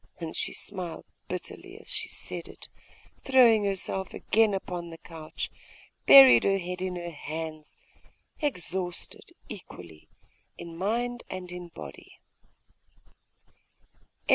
And she smiled bitterly as she said it, and throwing herself again upon the couch, buried her head in her hands, exhausted equally in body and in mind.